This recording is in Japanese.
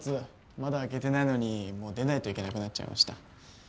まだ開けてないのにもう出ないといけなくなっちゃいました。